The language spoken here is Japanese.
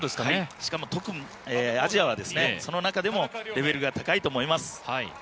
しかもアジアはその中でもレベルが高いと思います。